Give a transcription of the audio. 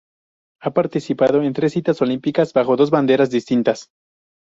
Ha participado en tres citas olímpicas bajo dos banderas distintas.